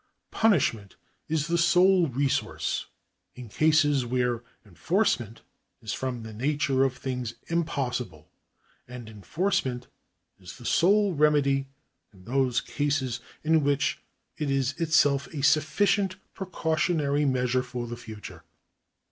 Punishment is the sole resource in cases where enforcement is from the nature of things impossible, and enforcement is the sole remedy in those cases in which it is itself a sufficient precautionary measure for the future.